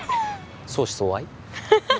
相思相愛？